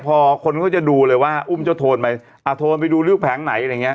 พอคนก็จะดูเลยว่าอุ้มเจ้าโทรนไปโทรนไปดูเลือดแผงไหน